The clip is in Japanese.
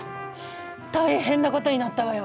大変なことになったわよ。